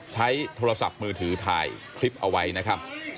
ใช้โทรศัพท์มือถือถ่ายคลิปเอาไว้นะครับ